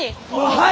はい！